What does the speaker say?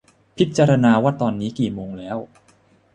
พิจารณาว่าตอนนี้กี่โมงแล้ว